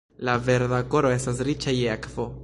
La Verda Koro estas riĉa je akvo.